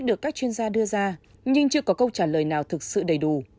nhưng chưa có câu trả lời nào thực sự đầy đủ